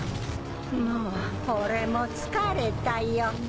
もう俺も疲れたよ。